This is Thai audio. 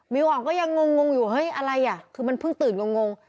อ่อนก็ยังงงอยู่เฮ้ยอะไรอ่ะคือมันเพิ่งตื่นงง